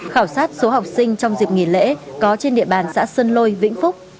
khảo sát số học sinh trong dịp nghỉ lễ có trên địa bàn xã sơn lôi vĩnh phúc